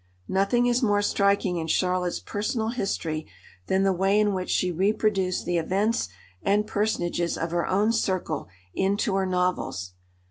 Nothing is more striking in Charlotte's personal history than the way in which she reproduced the events and personages of her own circle into her novels.